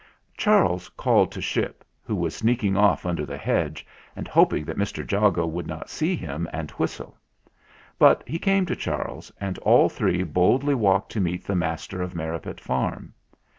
Charles called to Ship, who was sneaking off under the hedge and hoping that Mr. Jago would not see him and whistle. But he came to Charles, and all three boldly walked to meet the master of Merripit Farm.